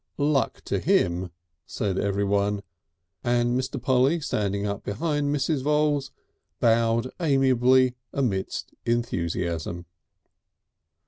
"Luck to him!" said everyone, and Mr. Polly, standing up behind Mrs. Voules, bowed amiably, amidst enthusiasm.